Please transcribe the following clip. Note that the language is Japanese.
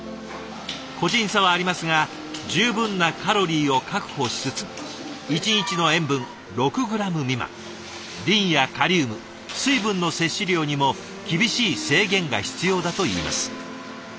個人差はありますが十分なカロリーを確保しつつ一日の塩分６グラム未満リンやカリウム水分の摂取量にも厳しい制限が必要だといいます。